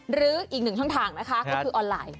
หรืออีกหนึ่งช่องทางนะคะก็คือออนไลน์